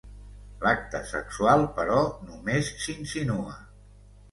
L'acte sexual, però, només s'insinua.